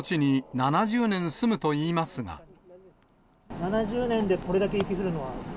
７０年でこれだけ雪降るのは？